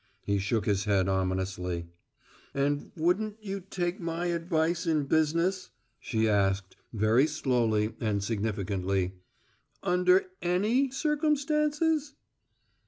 He shook his head ominously. "And wouldn't you take my advice in business," she asked very slowly and significantly "under any circumstances?"